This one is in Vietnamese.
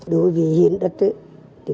đối với diễn đất